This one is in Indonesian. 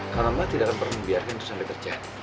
kamu tidak akan pernah membiarkan itu sampai terjadi